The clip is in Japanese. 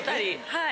はい。